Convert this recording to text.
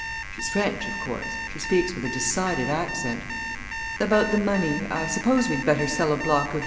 She's French, of course she speaks with a decided accent. About the money, I suppose we'd better sell a block of U.